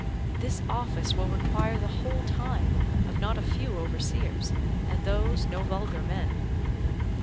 This office will require the whole time of not a few overseers, and those no vulgar men.